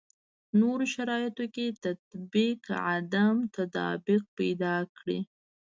نورو شرایطو کې تطبیق عدم تطابق پیدا کړي.